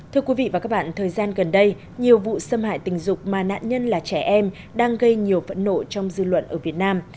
thưa quý vị và các bạn thời gian gần đây nhiều vụ xâm hại tình dục mà nạn nhân là trẻ em đang gây nhiều phẫn nộ trong dư luận ở việt nam